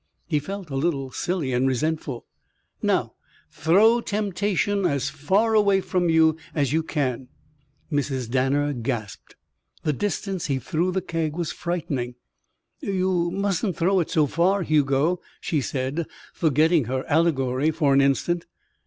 He felt a little silly and resentful. "Now throw temptation as far away from you as you can." Mrs. Danner gasped. The distance he threw the keg was frightening. "You musn't throw it so far, Hugo," she said, forgetting her allegory for an instant.